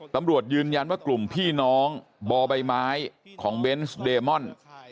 ตำรวจยืนยันว่ากลุ่มพี่น้องบ่อใบไม้ของเบนส์เดมอน